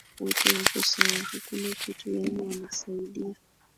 wote wako sawa hakuna kitu yaani wanasaidia